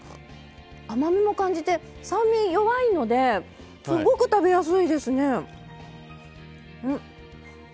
甘みも感じて酸味弱いのですごく食べやすいですね。